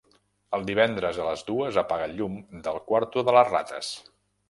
Els divendres a les dues apaga el llum del quarto de les rates.